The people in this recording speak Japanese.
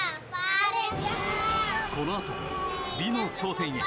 このあと美の頂点へ。